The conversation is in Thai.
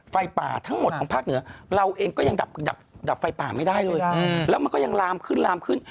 ไฟป่าทั้งหมดของภาคเหนือเราเองก็ยังดับไฟป่าไม่ได้เลยแล้วมันก็ยังลามขึ้นลามขึ้น